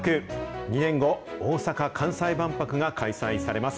２年後、大阪・関西万博が開催されます。